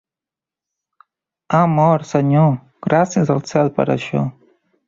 "Ha mort, senyor." "Gràcies al cel per això".